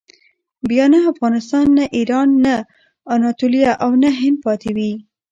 بیا نه افغانستان، نه ایران، نه اناتولیه او نه هند پاتې وي.